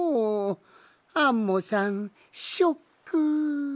アンモさんショック。